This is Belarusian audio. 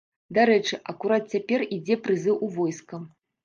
Дарэчы, акурат цяпер ідзе прызыў у войска.